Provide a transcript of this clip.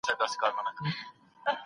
که جمله عالم د عفوې نغاره شي